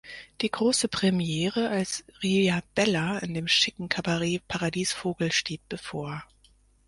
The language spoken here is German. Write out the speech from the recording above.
Die große Premiere als „Ria Bella“ in dem schicken Cabaret „Paradiesvogel“ steht bevor.